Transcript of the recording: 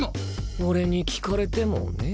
俺に聞かれてもね。